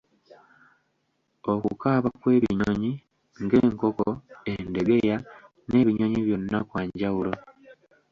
Okukaaba kw'ebinnyonyi ng'enkoko, endegeya n'ebinnyonyi byonna kwanjawulo.